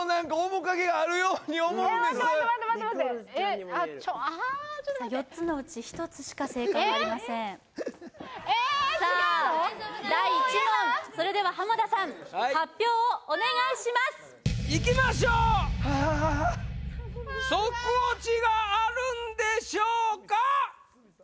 もうやださあ第１問それでは浜田さん発表をお願いしますいきましょうソクオチがあるんでしょうか？